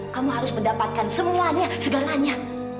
kamu harus mendapatkan semuanya segalanya